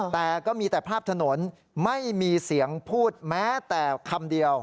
แต่ก็มีแต่ภาพถนนไม่มีเสียงพูดแม้แต่คำเดียว